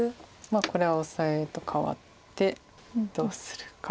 これはオサエと換わってどうするか。